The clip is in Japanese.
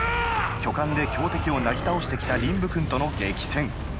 巨漢で強敵をなぎ倒してきた臨武君との激戦。